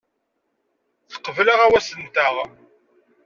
Teqbel aɣawas-nteɣ.